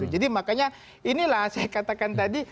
jadi makanya inilah saya katakan tadi